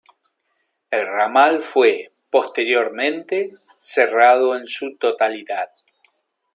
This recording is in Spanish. El Ramal fue, posteriormente, cerrado en su totalidad.